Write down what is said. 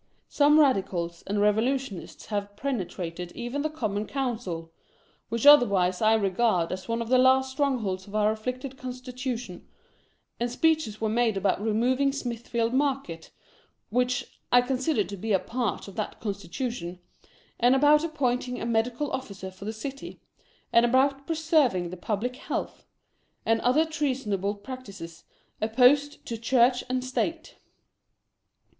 Some Radicals and Kevolutionists have penetrated even to the LIVELY TURTLE. 253 Common Council — wMcli otherwise I regard as one of the last strongholds of our afBicfced Constitution; and speeches were made, about removing Smithfield Market — which I consider to be a part of that Constitution — and about ap pointing a Medical Officer for the City, and about preserv ing the public health ; and other treasonable practices, op posed to Church and State.